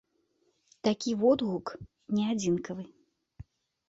Такі водгук не адзінкавы.